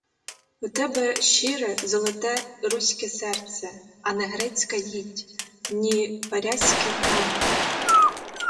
У тебе щире, золоте, руське серце, а не грецька їдь, ні варязький камінь.